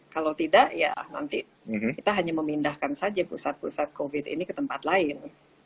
kalau tidak ya nanti kita hanya memindahkan saja pusat pusat covid ini ke tempat lain